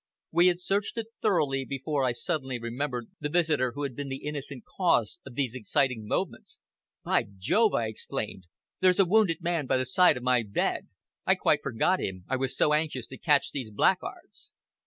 We had searched it thoroughly before I suddenly remembered the visitor who had been the innocent cause of these exciting moments. "By Jove!" I exclaimed, "there's a wounded man by the side of my bed! I quite forgot him, I was so anxious to catch these blackguards."